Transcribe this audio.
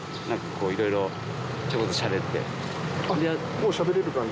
もうしゃべれる感じ？